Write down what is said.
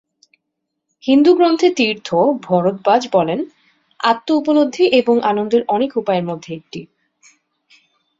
হিন্দু গ্রন্থে তীর্থ, ভরদ্বাজ বলেন, "আত্ম-উপলব্ধি এবং আনন্দের অনেক উপায়ের মধ্যে একটি"।